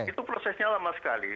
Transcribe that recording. itu prosesnya lama sekali